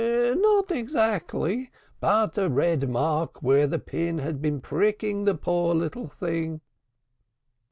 "No, not exactly. But a red mark where the pin had been pricking the poor little thing."